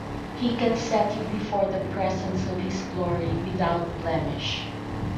He can set you before the presence of his glory without blemish.